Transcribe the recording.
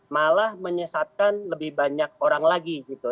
malah menyesatkan lebih banyak orang lagi gitu